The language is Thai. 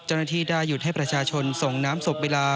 เจ้าหน้าที่ได้หยุดให้ประชาชนส่งน้ำศพเวลา